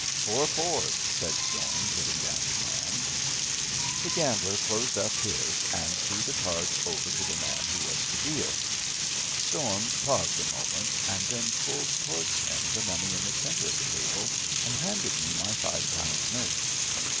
"Four fours," said Storm, putting down his hand. The gambler closed up his and threw the cards over to the man who was to deal. Storm paused a moment and then pulled towards him the money in the centre of the table and handed me my five pound note.